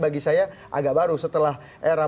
bagi saya agak baru setelah era